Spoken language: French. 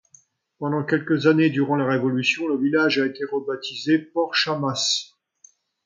Pendant quelques années durant la Révolution, le village a été rebaptisé Port-Chamas.